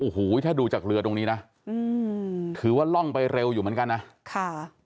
โอ้โหถ้าดูจากเรือตรงนี้นะอืมถือว่าล่องไปเร็วอยู่เหมือนกันนะค่ะ